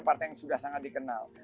partai yang sudah sangat dikenal